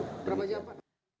berapa jauh pak